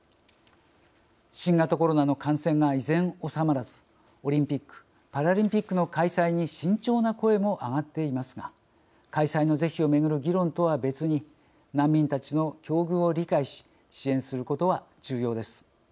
新型コロナの感染が依然収まらずオリンピック・パラリンピックの開催に慎重な声も上がっていますが開催の是非をめぐる議論とは別に難民たちの境遇を理解し支援することは重要です。